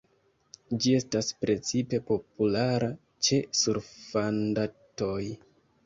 Ĝi estas precipe populara ĉe surfadantoj.